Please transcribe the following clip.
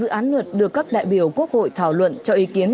dự án luật được các đại biểu quốc hội thảo luận cho ý kiến